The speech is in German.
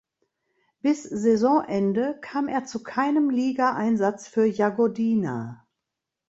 Bis Saisonende kam er zu keinem Ligaeinsatz für Jagodina.